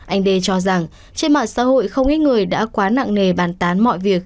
anh đê cho rằng trên mạng xã hội không ít người đã quá nặng nề bàn tán mọi việc